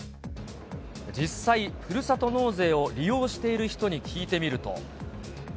実際、ふるさと納税を利用している人に聞いてみると。